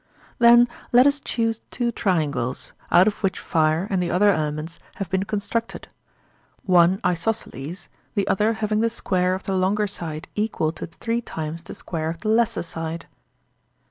Then let us choose two triangles, out of which fire and the other elements have been constructed, one isosceles, the other having the square of the longer side equal to three times the square of the lesser side.